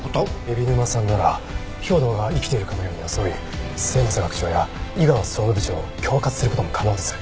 海老沼さんなら兵働が生きているかのように装い末政学長や猪川総務部長を恐喝する事も可能です。